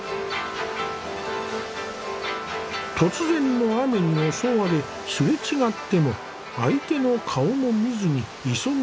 突然の雨に襲われすれ違っても相手の顔も見ずに急ぐ人々。